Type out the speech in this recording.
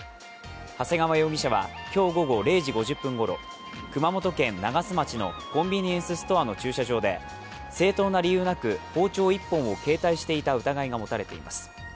長谷川容疑者は今日午後０時５０分ごろ熊本県長洲町のコンビニエンスストアの駐車場で正当な理由なく包丁一本を携帯した疑いが持たれています。